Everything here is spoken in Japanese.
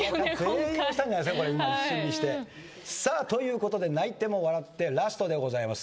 全員押したんじゃないですか？ということで泣いても笑ってもラストでございます。